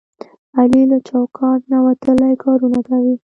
علي له چوکاټ نه وتلي کارونه کوي.